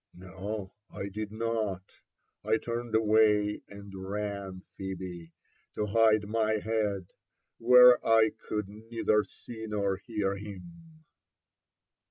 " No, I did not ! *I turned away and ran, Phebe, to bide my head^ where I could neither see nor hear him."